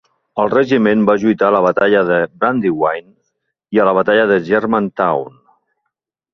El regiment va lluitar a la Batalla de Brandywine i a la Batalla de Germantown.